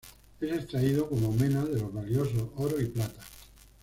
Es extraído como mena de los valiosos oro y plata.